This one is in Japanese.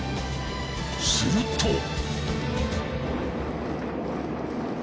すると。